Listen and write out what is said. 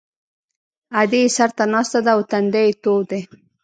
ادې یې سر ته ناسته ده او تندی یې تود دی